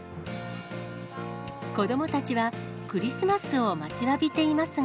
子どもたちは、クリスマスを待ちわびていますが。